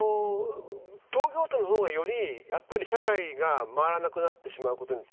東京都のほうが、より社会が回らなくなってしまうこと